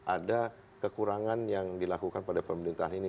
ada kekurangan yang dilakukan pada pemerintahan ini